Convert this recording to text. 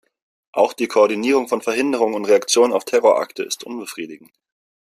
Auch die Koordinierung von Verhinderung und Reaktion auf Terrorakte ist unbefriedigend.